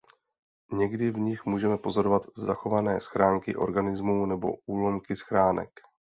Někdy v nich můžeme pozorovat zachované schránky organismů nebo úlomky schránek.